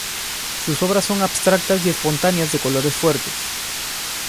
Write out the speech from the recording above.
Sus obras son abstractas y espontáneas de colores fuertes.